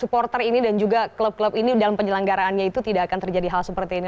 supporter ini dan juga klub klub ini dalam penyelenggaraannya itu tidak akan terjadi hal seperti ini